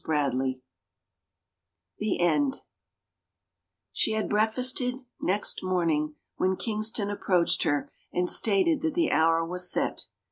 CHAPTER XXXIV THE END W^^^E had breakfasted next morning when Kings M Cj ton approached her and stated that the hour ^^^^ was set.